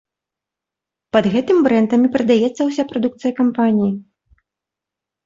Пад гэтым брэндам і прадаецца ўся прадукцыя кампаніі.